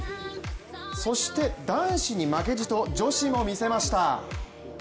そして男子に負けじと女子も見せました。